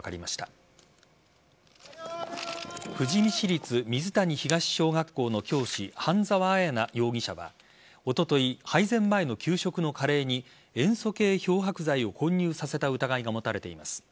立水谷東小学校の教師半沢彩奈容疑者はおととい配膳前の給食のカレーに塩素系漂白剤を混入させた疑いが持たれています。